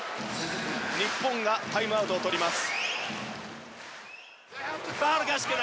日本がタイムアウトを取ります。